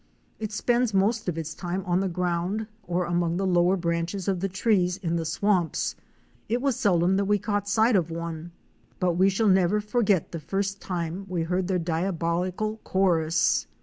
It spends most of its time on the ground or among the lower branches of the trees in the swamps. It was seldom that we caught sight of one, but we shall never forget the first time we heard their diabolical chorus.